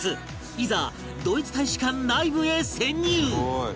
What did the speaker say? いざドイツ大使館内部へ潜入！